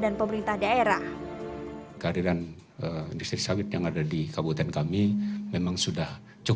dan pemerintah daerah kehadiran listrik sawit yang ada di kabupaten kami memang sudah cukup